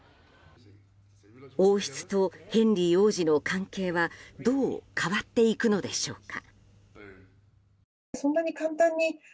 王室とヘンリー王子の関係はどう変わっていくのでしょうか。